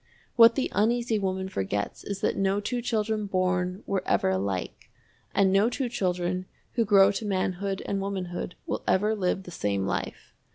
What the Uneasy Woman forgets is that no two children born were ever alike, and no two children who grow to manhood and womanhood will ever live the same life.